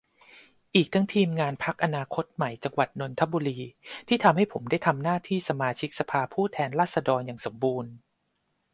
อีกทั้งทีมงานพรรคอนาคตใหม่จังหวัดนนทบุรี ที่ทำให้ผมได้ทำหน้าที่สมาชิกสภาผู้แทนราษฎรอย่างสมบูรณ์